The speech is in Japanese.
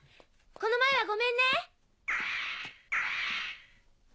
この前はごめんね。